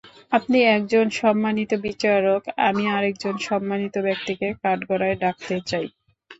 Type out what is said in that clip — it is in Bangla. আপনি একজন সম্মানিত বিচারক, আমি আরেকজন সম্মানিত ব্যক্তিকে কাঠগড়ায় ডাকতে চাই।